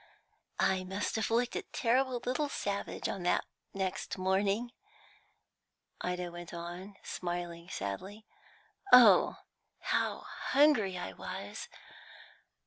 "I must have looked a terrible little savage on that next morning," Ida went on, smiling sadly. "Oh, how hungry I was!